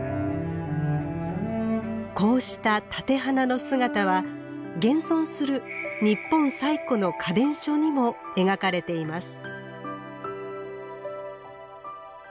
こうした立て花の姿は現存する日本最古の花伝書にも描かれています。